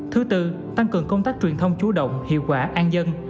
thứ tư tăng cường công tác truyền thông chú động hiệu quả an dân